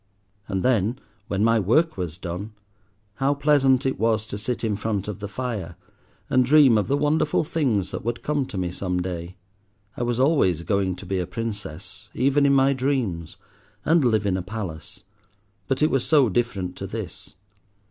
And then, when my work was done, how pleasant it was to sit in front of the fire, and dream of the wonderful things that would come to me some day. I was always going to be a Princess, even in my dreams, and live in a palace, but it was so different to this.